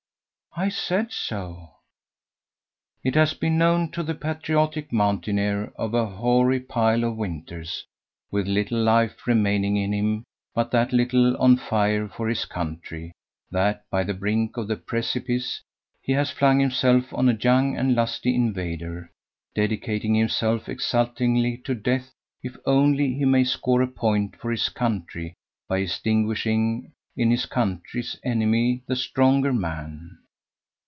"I said so." It has been known to the patriotic mountaineer of a hoary pile of winters, with little life remaining in him, but that little on fire for his country, that by the brink of the precipice he has flung himself on a young and lusty invader, dedicating himself exultingly to death if only he may score a point for his country by extinguishing in his country's enemy the stronger man.